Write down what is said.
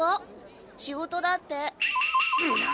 仕事だって。